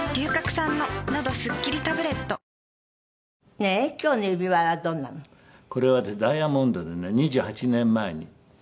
ねえ今日の指輪はどんなの？これはダイヤモンドでね２８年前に。